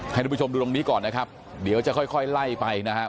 ให้ทุกผู้ชมดูตรงนี้ก่อนนะครับเดี๋ยวจะค่อยค่อยไล่ไปนะครับ